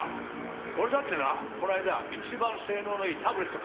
俺だってなこの間一番性能のいいタブレット買ったんだからな。